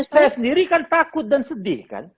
saya sendiri kan takut dan sedih kan